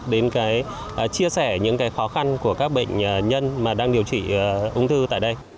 đến cái chia sẻ những cái khó khăn của các bệnh nhân mà đang điều trị ung thư tại đây